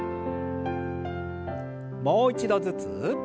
もう一度ずつ。